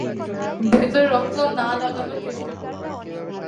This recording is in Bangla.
ভেতরে রক্ত না লাগানোর চেষ্টা কোরো।